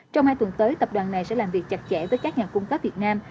trong hai tuần tới tập đoàn này sẽ làm việc chặt chẽ với các nhà cung cấp việt nam